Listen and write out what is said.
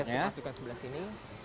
oke saya masukkan sebelah sini